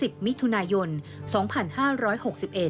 ทีมข่าวของเรานำเสนอรายงานพิเศษ